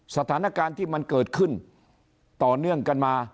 สถานการณ์ที่มันเกิดขึ้นต่อเนื่องกันมา